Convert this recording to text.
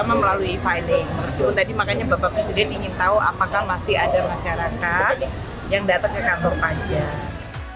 meskipun tadi makanya bapak presiden ingin tahu apakah masih ada masyarakat yang datang ke kantor pajak